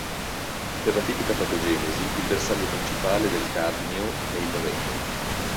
Per la tipica patogenesi, il bersaglio principale del cadmio è il rene.